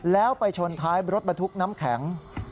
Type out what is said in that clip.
แล้วไปชนท้ายรถบรรทุกน้ำแข็ง